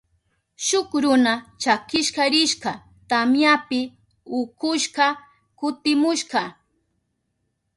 Shuk runa chakishka rishka tamyapi ukushka kutimushka.